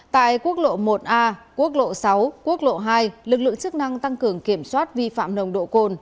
tại quốc lộ một a quốc lộ sáu quốc lộ hai lực lượng chức năng tăng cường kiểm soát vi phạm nồng độ cồn